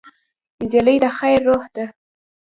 نجلۍ د خیر روح ده.